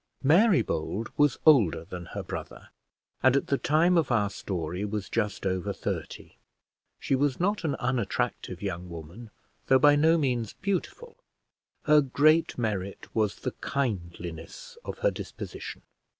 Mary Bold was older than her brother, and, at the time of our story, was just over thirty. She was not an unattractive young woman, though by no means beautiful. Her great merit was the kindliness of her disposition.